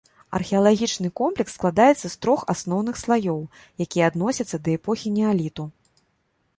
Археалагічны комплекс складаецца з трох асноўных слаёў, якія адносяцца да эпохі неаліту.